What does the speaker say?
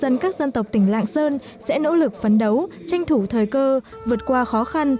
dân các dân tộc tỉnh lạng sơn sẽ nỗ lực phấn đấu tranh thủ thời cơ vượt qua khó khăn